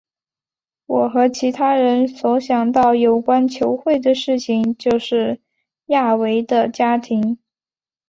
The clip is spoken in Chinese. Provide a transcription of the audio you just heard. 我和其他人所想到有关球会的事情就是亚维的家庭。